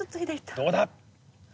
どうだ？